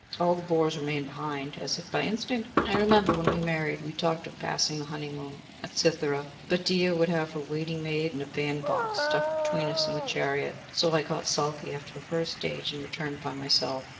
All the bores remain behind, as if by instinct.' 'I remember when we married, we talked of passing the honeymoon at Cythera, but Dia would have her waiting maid and a bandbox stuffed between us in the chariot, so I got sulky after the first stage, and returned by myself.